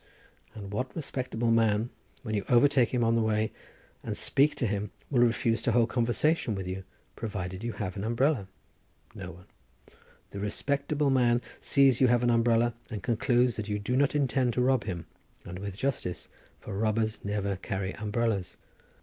And what respectable man, when you overtake him on the way and speak to him, will refuse to hold conversation with you, provided you have an umbrella? No one. The respectable man sees you have an umbrella and concludes that you do not intend to rob him, and with justice, for robbers never carry umbrellas.